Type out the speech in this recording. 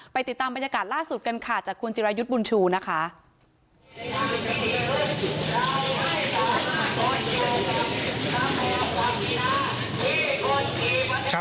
ติดตามบรรยากาศล่าสุดกันค่ะจากคุณจิรายุทธ์บุญชูนะคะ